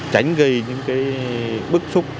tránh gây những bức xúc